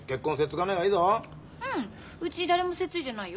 うち誰もせっついてないよ。